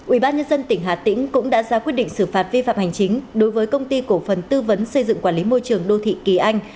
ubnd tỉnh hà tĩnh cũng đã ra quyết định xử phạt vi phạm hành chính đối với công ty cổ phần tư vấn xây dựng quản lý môi trường đô thị kỳ anh